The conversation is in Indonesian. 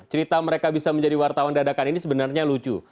cerita mereka bisa menjadi wartawan dadakan ini sebenarnya lucu